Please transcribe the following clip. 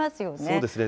そうですね。